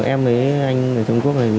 em với anh ở trung quốc